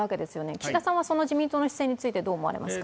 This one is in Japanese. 岸田さんはその自民党の姿勢についてはどう思われますか。